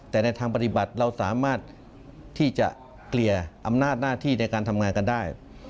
แต่ในทางปฏิบัติเราสามารถที่จะเกลี่ยอำนาจหน้าที่ในการทำงานกันได้